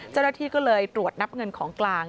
เจ้าหน้าที่ก็เลยตรวจนับเงินของกลาง